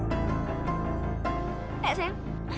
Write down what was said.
kasih aja sayang